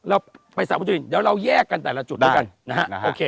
เราไปสระมุจรินเดี๋ยวเราแยกกันแต่ละจุดด้วยกัน